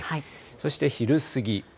そして昼過ぎ。